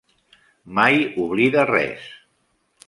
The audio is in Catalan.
Mai oblida res.